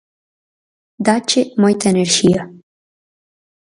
Dáche moita enerxía.